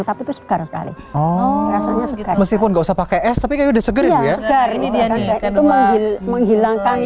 tapi itu sekarang sekali oh meskipun gak usah pakai es tapi udah seger ini dia menghilangkan